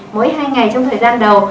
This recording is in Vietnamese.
mỗi hai ngày trong thời gian đầu